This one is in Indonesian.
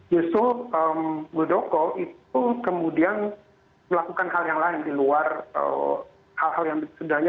justru muldoko itu kemudian melakukan hal yang lain di luar hal hal yang sebenarnya